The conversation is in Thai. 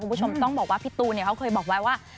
คุณผู้ชมต้องบอกว่าพี่ตูนเขาเคยบอกไว้ว่า